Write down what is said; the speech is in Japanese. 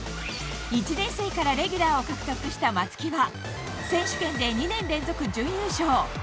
１年生からレギュラーを獲得した松木は選手権で２年連続準優勝。